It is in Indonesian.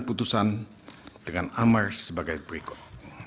putusan dengan amar sebagai berikut